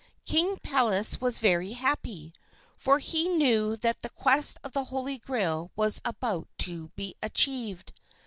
King Pelleas was very happy, for he knew that the quest of the Holy Grail was about to be achieved.